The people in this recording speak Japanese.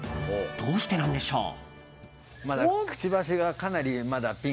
どうしてなんでしょう？